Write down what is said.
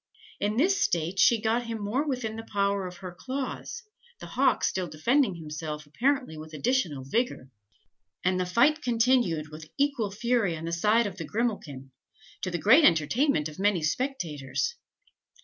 In this state she got him more within the power of her claws, the hawk still defending himself apparently with additional vigour; and the fight continued with equal fury on the side of Grimalkin, to the great entertainment of many spectators.